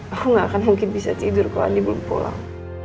aku nggak akan mungkin bisa tidur kalau dia belum pulang